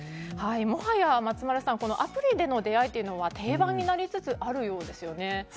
もはや松丸さんアプリでの出会いというのは定番になりつつあるようですね。